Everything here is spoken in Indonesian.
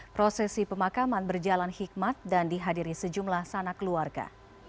prosesi pemakaman berjalan hikmat dan dihadiri sejumlah sanak keluarga